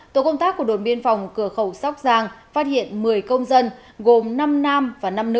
tổ công tác của đồn biên phòng cửa khẩu sóc trang phát hiện một mươi công dân gồm năm nam và năm nữ